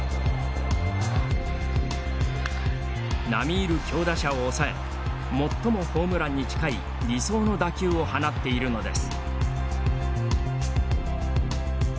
並みいる強打者を抑え最もホームランに近い理想の打球を放っているのです。